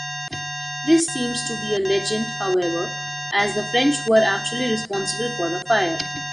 This seems to be a legend however, as the French were actually responsible for the fire.